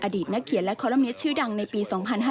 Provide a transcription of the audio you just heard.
อดีตนักเขียนและคอลัมเนสชื่อดังในปี๒๕๕๙